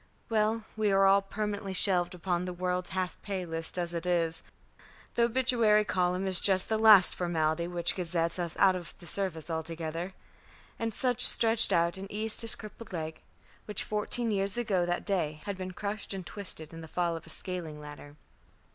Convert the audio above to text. Well, we are all permanently shelved upon the world's half pay list as it is. The obituary column is just the last formality which gazettes us out of the service altogether," and Sutch stretched out and eased his crippled leg, which fourteen years ago that day had been crushed and twisted in the fall of a scaling ladder.